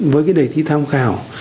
với cái đề thi tham khảo